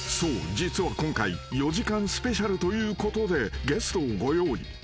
実は今回４時間スペシャルということでゲストをご用意］